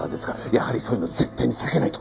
やはりそういうの絶対に避けないと！